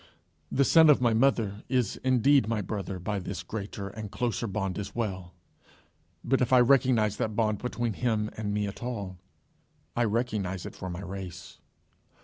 The son of my mother is indeed my brother by this greater and closer bond as well; but if I recognize that bond between him and me at all, I recognize it for my race.